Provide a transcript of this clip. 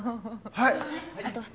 はい。